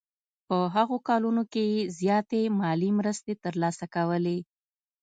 په هغو کلونو کې یې زیاتې مالي مرستې ترلاسه کولې.